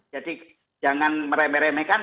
jadi jangan meremehkan